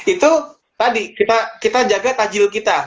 itu tadi kita jaga tajil kita